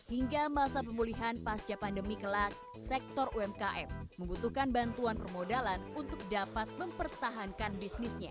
hingga masa pemulihan pasca pandemi kelak sektor umkm membutuhkan bantuan permodalan untuk dapat mempertahankan bisnisnya